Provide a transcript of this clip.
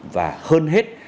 và đối tượng đều không biết